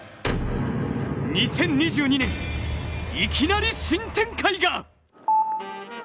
２０２２年、いきなり新展開が！